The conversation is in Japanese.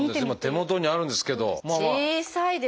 今手元にあるんですけど。